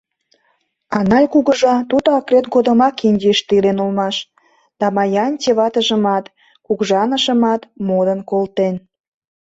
А Наль кугыжа, тудо акрет годымак Индийыште илен улмаш, Дамаянти ватыжымат, кугыжанышымат модын колтен.